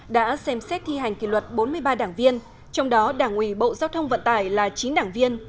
đã xem xét thi hành kỷ luật bốn mươi ba đảng viên trong đó đảng ủy bộ giao thông vận tải là chín đảng viên